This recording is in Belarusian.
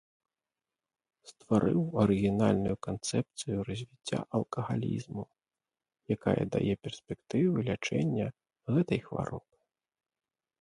Стварыў арыгінальную канцэпцыю развіцця алкагалізму, якая дае перспектывы лячэння гэтай хваробы.